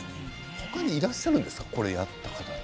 他にいらっしゃるんですかこれをやった方は。